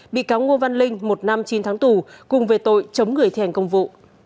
bị cáo ngô văn linh một năm chín tháng tù cùng về tội chống người thi hành công vụ